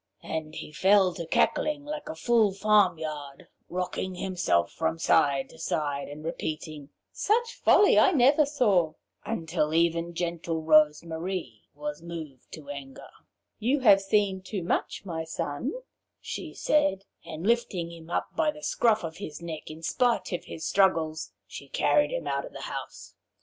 And he fell to cackling like a full farmyard, rocking himself from side to side, and repeating, 'Such folly I never saw!' until even gentle Rose Marie was moved to anger. 'You have seen too much, my son,' she said, and lifting him up by the scruff of his neck in spite of his struggles, she carried him out of the house.